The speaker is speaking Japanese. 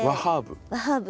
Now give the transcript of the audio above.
和ハーブ。